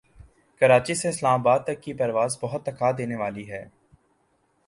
کراچی سے اسلام آباد تک کی پرواز بہت تھکا دینے والی ہے